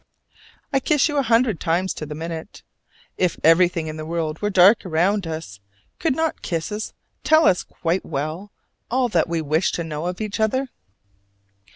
I kiss you a hundred times to the minute. If everything in the world were dark round us, could not kisses tell us quite well all that we wish to know of each other?